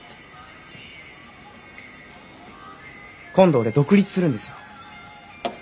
今度俺独立するんですよ。